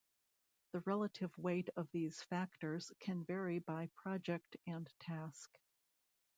The relative weight of these factors can vary by project and task.